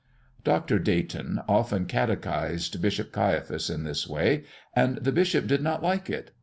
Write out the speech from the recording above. Dr. Dayton often catechised Bishop Caiaphas in this way, and the bishop did not like it.